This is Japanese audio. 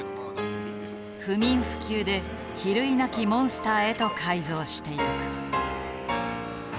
不眠不休で比類なきモンスターへと改造してゆく。